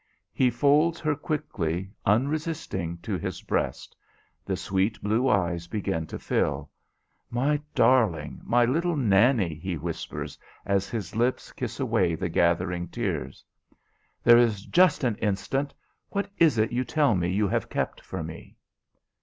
He folds her quickly, unresisting, to his breast. The sweet blue eyes begin to fill. "My darling, my little Nannie," he whispers, as his lips kiss away the gathering tears. "There is just an instant. What is it you tell me you have kept for me?"